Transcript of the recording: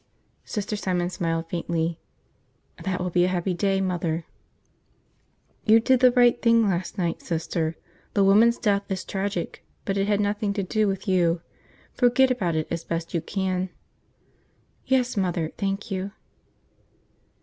Sister Simon smiled faintly. "That will be a happy day, Mother." "You did the right thing last night, Sister. The woman's death is tragic but it had nothing to do with you. Forget about it as best you can." "Yes, Mother. Thank you."